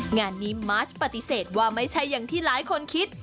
งานนี้มาชปฏิเสธว่าไม่ใช่อย่างที่หลายคนคิด